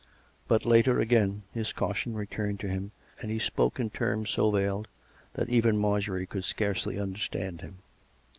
But later, again, his caution returned to him, and he spoke in terms so veiled that even Marjorie could scarcely understand him.